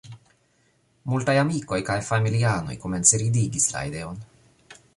Multaj amikoj kaj familianoj komence ridigis la ideon.